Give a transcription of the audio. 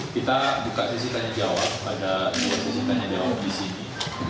kita buka sesi tanya jawab pada dua sesi tanya jawab di sini